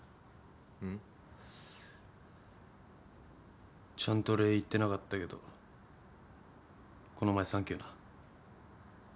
ん？ちゃんと礼言ってなかったけどこの前サンキューな。